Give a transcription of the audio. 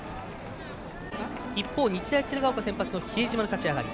一方、日大鶴ヶ丘の先発の比江島の立ち上がり。